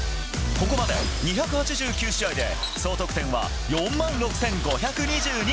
ここまで２８９試合で総得点は４万６５２２！